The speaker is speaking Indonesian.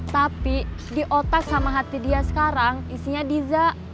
tapi di otak sama hati dia sekarang isinya diza